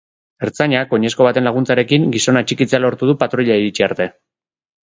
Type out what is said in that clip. Ertzainak, oinezko baten laguntzarekin, gizona atxikitzea lortu du patruila iritsi arte.